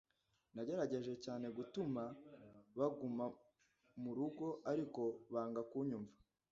nagerageje cyane gutuma baguma mu rugo, ariko banga kunyumva